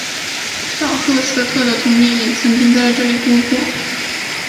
小赫斯特的童年也曾在这里度过。